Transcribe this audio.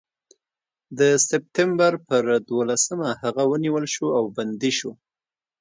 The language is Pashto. د سپټمبر پر دولسمه هغه ونیول شو او بندي شو.